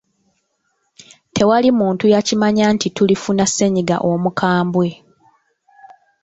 Tewali muntu yakimanya nti tulifuna ssennyiga omukambwe.